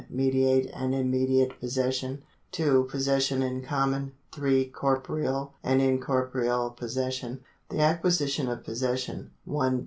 Mediate and immediate possession. 2. Possession in common. 3. Corporeal and incorporeal possession, The acquisition of possession : ri.